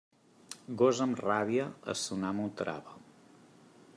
Gos amb ràbia, a son amo trava.